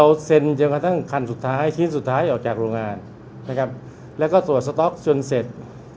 เซ็นจนกระทั่งคันสุดท้ายชิ้นสุดท้ายออกจากโรงงานนะครับแล้วก็ตรวจสต๊อกจนเสร็จ